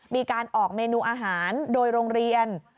มีการออกเมนูอาหารโดยโรงเรียน